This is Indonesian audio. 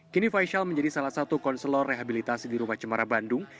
kini faisal menjadi salah satu konselor rehabilitasi di rumah cemara bandung